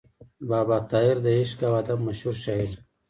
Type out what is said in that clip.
بابا طاهر د عشق او ادب مشهور شاعر و.